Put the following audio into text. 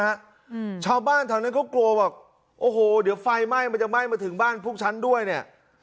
อืมชาวบ้านแถวนั้นเขากลัวบอกโอ้โหเดี๋ยวไฟไหม้มันจะไหม้มาถึงบ้านพวกฉันด้วยเนี้ย